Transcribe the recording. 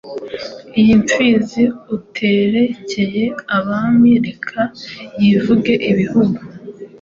Iyi Mfizi uterekeye Abami Reka yivuge ibihugu